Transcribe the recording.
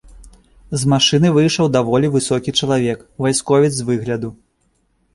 З машыны выйшаў даволі высокі чалавек, вайсковец з выгляду.